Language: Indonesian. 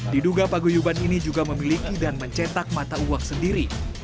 diduga paguyuban ini juga memiliki dan mencetak mata uang sendiri